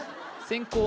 先攻